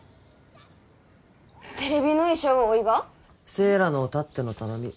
セイラのたっての頼み